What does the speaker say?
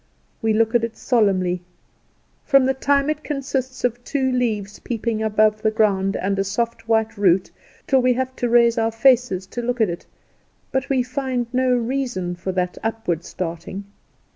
We look at it solemnly, from the time it consists of two leaves peeping above the ground and a soft white root, till we have to raise our faces to look at it; but we find no reason for that upward starting.